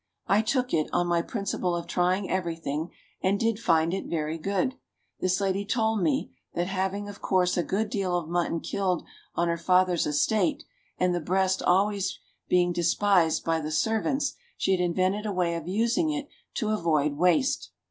I took it, on my principle of trying everything, and did find it very good. This lady told me that, having of course a good deal of mutton killed on her father's estate, and the breast being always despised by the servants, she had invented a way of using it to avoid waste.